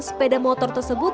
sepeda motor tersebut